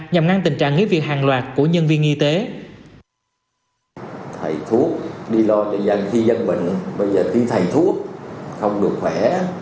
nhằm ngăn tình trạng nghỉ việc hàng loạt của nhân viên y tế